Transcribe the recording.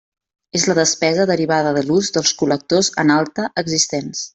És la despesa derivada de l'ús dels col·lectors en alta existents.